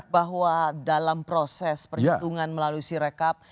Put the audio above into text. bahwa dalam proses perhitungan melalui si rekap